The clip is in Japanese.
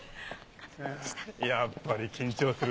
やっぱり緊張するね。